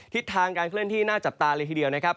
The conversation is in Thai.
ทิศทางการเคลื่อนที่น่าจับตาเลยทีเดียวนะครับ